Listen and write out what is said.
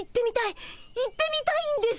行ってみたいんです！